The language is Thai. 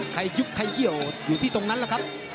ยุบใครเยี่ยวอยู่ที่ตรงนั้นแหละครับ